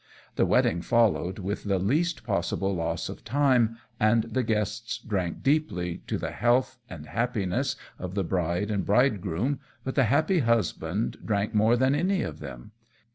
The wedding followed with the least possible loss of time, and the guests drank deeply to the health and happiness of the bride and bridegroom, but the happy husband drank more than any of them.